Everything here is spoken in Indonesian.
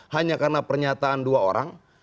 hanya karena pernyataan dua orang